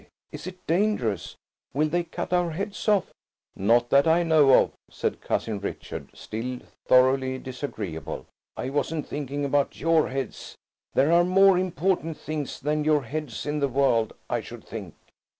Is it dangerous? Will they cut our heads off?" "Not that I know of," said Cousin Richard, still thoroughly disagreeable. "I wasn't thinking about your heads. There are more important things than your heads in the world, I should think."